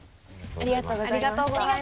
ありがとうございます。